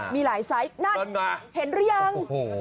มีหลายไซส์นั่นไงเห็นหรือยัง